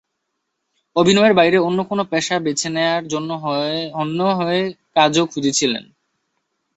অভিনয়ের বাইরে অন্য কোনো পেশা বেছে নেওয়ার জন্য হন্যে হয়ে কাজও খুঁজেছিলেন।